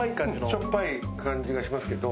しょっぱい感じがしますけど。